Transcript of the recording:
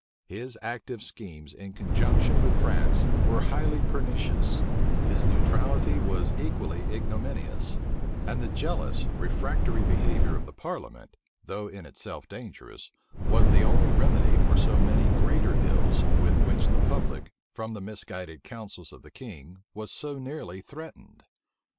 His active schemes in conjunction with France were highly pernicious; his neutrality was equally ignominious; and the jealous, refractory behavior of the parliament, though in itself dangerous, was the only remedy for so many greater ills, with which the public, from the misguided counsels of the king, was so nearly threatened.